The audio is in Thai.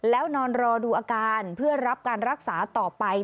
แล้วนอนรอดูอาการเพื่อรับการรักษาต่อไป